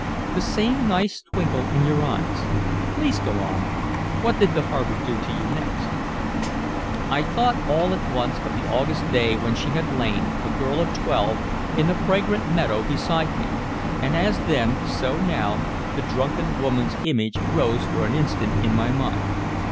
"The same nice twinkle in your eyes. Please go on. What did the harbor do to you next?" I thought all at once of the August day when she had lain, a girl of twelve, in the fragrant meadow beside me. And as then, so now, the drunken woman's image rose for an instant in my mind.